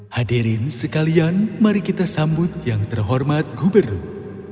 hadirin sekalian mari kita sambut yang terhormat gubernur